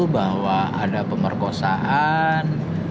bahwa ada pemerkosaan